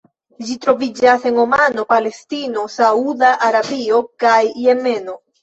Ĝi troviĝas en Omano, Palestino, Sauda Arabio kaj Jemeno.